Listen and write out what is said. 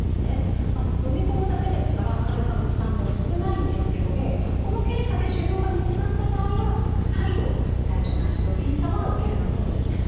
のみ込むだけですから患者さんの負担も少ないんですけどもこの検査で腫瘍が見つかった場合は再度大腸内視鏡検査は受けることになります。